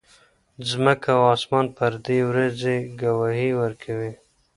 ځمکه او اسمان پر دې ورځې ګواهي ورکوي.